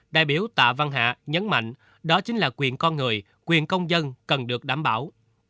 đại biểu tạ văn hạ nhấn mạnh đó chính là quyền con người quyền công dân cần được đảm bảo